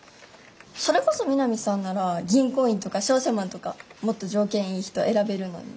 それこそ美波さんなら銀行員とか商社マンとかもっと条件いい人選べるのに。